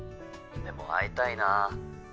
でも会いたいな。